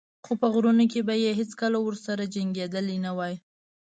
خو په غرونو کې به یې هېڅکله ورسره جنګېدلی نه وای.